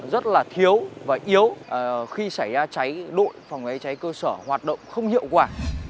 rất là thiếu và yếu khi xảy ra cháy đội phòng cháy cháy cơ sở hoạt động không hiệu quả